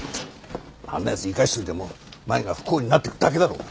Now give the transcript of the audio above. あんな奴生かしておいても麻友が不幸になってくだけだろうが。